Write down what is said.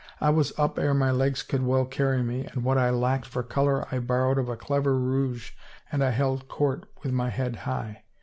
I was up ere my legs could well carry me and what I lacked for color I borrowed of a clever rouge and I held court with my head high.